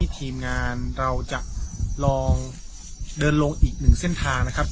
ทีมงานเราจะลองเดินลงอีกหนึ่งเส้นทางนะครับ